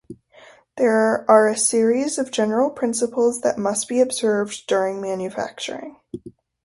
They are a series of general principles that must be observed during manufacturing.